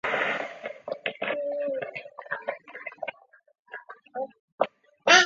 高昌区是中华人民共和国新疆维吾尔自治区吐鲁番市的一个市辖区。